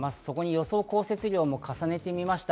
そこに予想降雪量も重ねてみました。